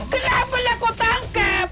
kenapa lah kau tangkap